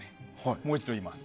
もう一度言います。